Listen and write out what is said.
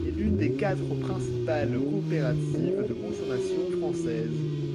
Elle est l'une des quatre principales coopératives de consommation françaises.